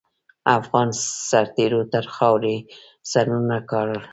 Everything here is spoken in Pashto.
افغان سرتېرو تر خاروې سرونه جار کړل.